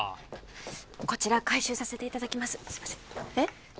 こちら回収させていただきますすいませんえっ？